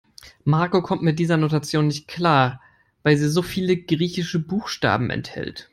Marco kommt mit dieser Notation nicht klar, weil sie so viele griechische Buchstaben enthält.